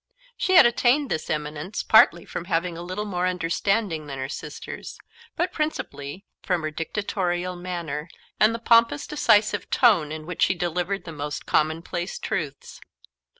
She had attained this eminence partly from having a little more understanding than her sisters, but principally from her dictatorial manner, and the pompous decisive tone in which she delivered the most commonplace truths.